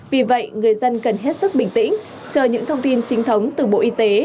vì vậy người dân cần hết sức bình tĩnh chờ những thông tin chính thống từ bộ y tế